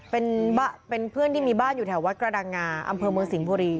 เป็นเพื่อนที่มีบ้านอยู่แถววัดกระดังงาอำเภอเมืองสิงห์บุรี